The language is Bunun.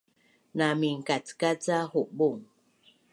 na minkackac ca hubung